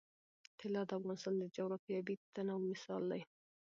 طلا د افغانستان د جغرافیوي تنوع مثال دی.